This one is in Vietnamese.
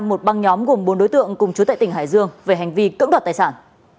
một băng nhóm gồm bốn đối tượng cùng chú tại tỉnh hải dương về hành vi cưỡng đoạt tài sản